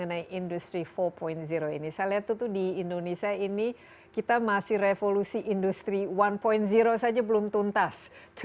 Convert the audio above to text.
mengenai industri empat ini saya lihat itu di indonesia ini kita masih revolusi industri satu saja belum tuntas